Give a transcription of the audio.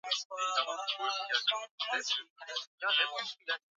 Nywele kunyonyoka katika ngozi ni dalili muhimu ya ugonjwa wa ukurutu